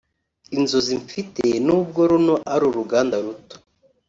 Inzozi mfite nubwo runo ari uruganda ruto